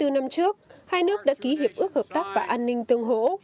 sáu mươi bốn năm trước hai nước đã ký hiệp ước hợp tác và an ninh tương hổ